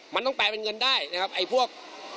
มันต้องแปลเป็นเงินได้นะครับไอ้พวก